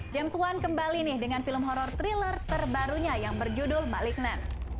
james one kembali nih dengan film horror thriller terbarunya yang berjudul maliknan